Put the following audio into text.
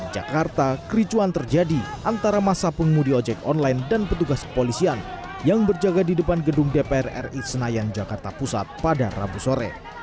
jakarta kericuan terjadi antara masa pengumudi ojek online dan petugas kepolisian yang berjaga di depan gedung dpr ri senayan jakarta pusat pada rabu sore